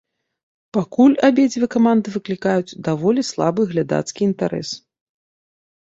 Пакуль абедзве каманды выклікаюць даволі слабы глядацкі інтарэс.